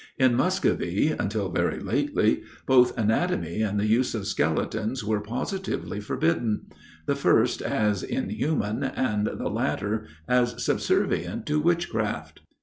In Muscovy, until very lately, both anatomy and the use of skeletons were positively forbidden; the first as inhuman, and the latter as subservient to witchcraft.